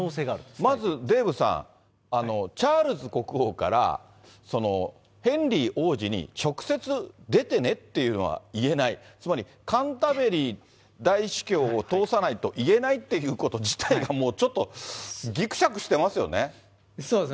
まずデーブさん、チャールズ国王からそのヘンリー王子に直接出てねっていうのはいえない、つまり、カンタベリー大主教を通さないといえないっていうこと自体がもう、そうですね。